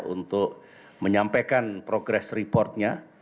untuk menyampaikan progress report nya